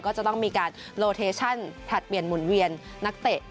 ก็จะต้องมีการโลเทชั่นผลัดเปลี่ยนหมุนเวียนนักเตะ